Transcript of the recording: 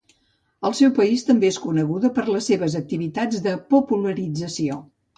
Al seu país també és coneguda per les seves activitats de popularització.